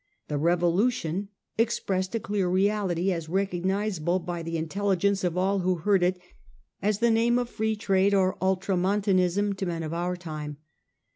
1 The Revolution ' expressed a clear reality, as recognisable by the intelligence of all who heard it as the name of Free Trade or of Ultramontanism to men of our time.